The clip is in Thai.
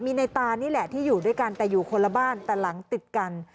มีในตานี่แหละที่อยู่ด้วยกันแต่อยู่คนละบ้านแต่หลังติดกัน